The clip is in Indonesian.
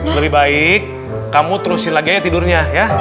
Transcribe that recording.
lebih baik kamu terusin lagi aja tidurnya ya